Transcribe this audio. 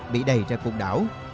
bị đầy ra cuộc đảo